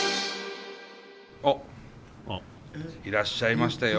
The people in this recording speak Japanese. あっいらっしゃいましたよ。